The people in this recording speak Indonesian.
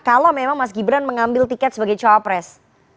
kalau memang mas gibran mengambil tiket sebagai cawapres